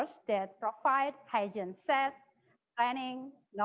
sedangkan grup pendapatan yang rendah dan tinggi